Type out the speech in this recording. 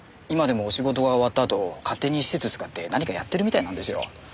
今でも仕事が終わったあと勝手に施設使って何かやってるみたいなんですよ。